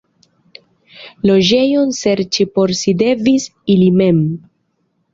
Loĝejon serĉi por si devis ili mem.